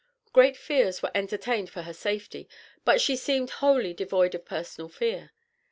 Great fears were entertained for her safety, but she seemed wholly devoid of personal fear.